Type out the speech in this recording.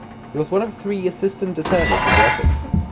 He was one of three assistant attorneys in the office.